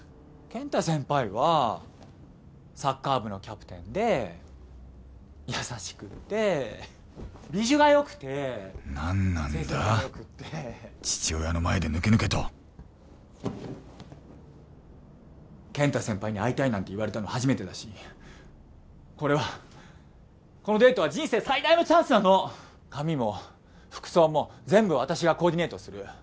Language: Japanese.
健太先輩はサッカー部のキャプテンで優しくてビジュがよくて成績もよくて何なんだ父親の前でぬけぬけと健太先輩に会いたいなんて言われたの初めてだしこれはこのデートは人生最大のチャンスなの髪も服装も全部私がコーディネートする